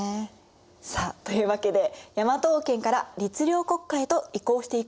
さあというわけで大和王権から律令国家へと移行していく時期。